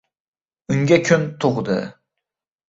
Unga kun tug‘di.